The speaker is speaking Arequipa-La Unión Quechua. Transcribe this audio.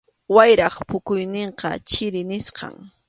Wayrap phukuyninqa chiri nisqam.